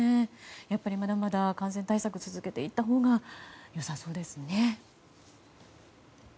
やっぱりまだまだ感染対策を続けていったほうがよさそうですね。